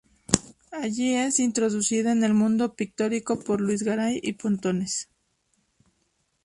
Allí es introducida en el mundo pictórico por Luís Garay y Pontones.